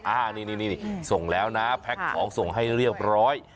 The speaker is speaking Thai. อ่านี่ส่งแล้วนะแพ็คของส่งให้เรียบร้อย